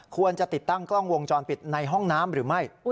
ควรจะติดตั้งกล้องวงจรปิดในห้องน้ำหรือไม่